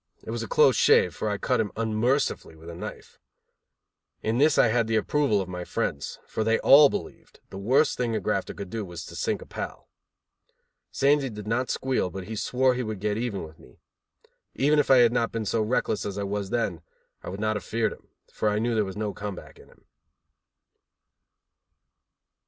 It was a close shave, for I cut him unmercifully with a knife. In this I had the approval of my friends, for they all believed the worst thing a grafter could do was to sink a pal. Sandy did not squeal, but he swore he would get even with me. Even if I had not been so reckless as I was then, I would not have feared him, for I knew there was no come back in him.